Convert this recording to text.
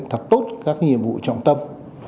thật tốt các nhiệm vụ trọng tâm